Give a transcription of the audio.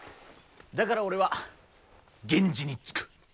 だから俺は源氏につく。